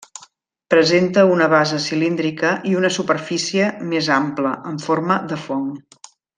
Presenta una base cilíndrica i una superfície més ampla, amb forma de fong.